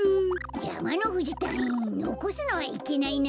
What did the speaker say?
やまのふじたいいんのこすのはいけないな。